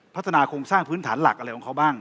พัฒนาโครงสร้างพื้นฐานหลักอะไรของเขาบ้าง